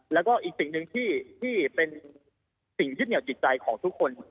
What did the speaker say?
และก็อีกสิ่งที่เป็นสิ่งริดเหนี่ยวจิตใจของทุกคน